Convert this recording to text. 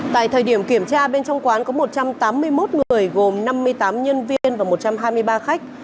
tại thời điểm kiểm tra bên trong quán có một trăm tám mươi một người gồm năm mươi tám nhân viên và một trăm hai mươi ba khách